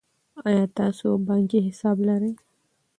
آیا تاسو بانکي حساب لرئ.